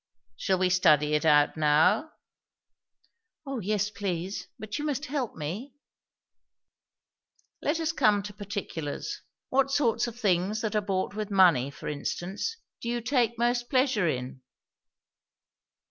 "Shall we study it out now?" "O yes, please! But you must help me." "Let us come to particulars. What sorts of things that are bought with money, for instance, do you take most pleasure in?"